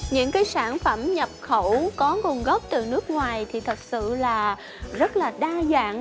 những cái sản phẩm nhập khẩu có nguồn gốc từ nước ngoài thì thật sự là rất là đa dạng